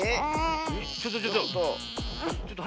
ちょっとちょっと。